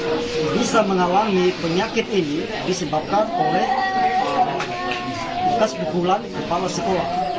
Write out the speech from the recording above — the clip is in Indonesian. oleh karena anak kami bisa mengalami penyakit ini disebabkan oleh bekas pukulan kepala sekolah